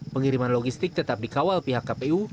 pengiriman logistik tetap dikawal pihak kpu